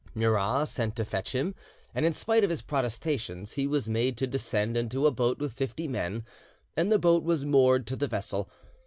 Murat sent to fetch him, and in spite of his protestations he was made to descend into a boat with fifty men, and the boat was moored to the vessel.